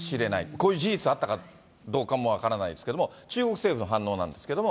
こういう事実あったかどうかも分からないですけれども、中国政府の反応なんですけれども。